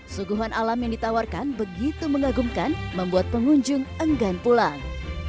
suguhan alam yang ditawarkan begitu mengagumkan membuat pengunjung enggan pulang